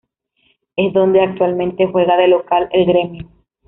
Es donde actualmente juega de local el Grêmio.